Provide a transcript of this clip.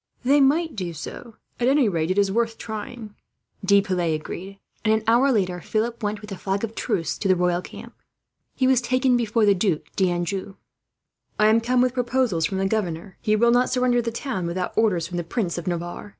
"They might do so. At any rate, it is worth trying," De Piles agreed; and an hour later Philip went, with a flag of truce, to the royal camp. He was taken before the Duc d'Anjou. "I am come with proposals from the governor," he said. "He will not surrender the town without orders from the Prince of Navarre.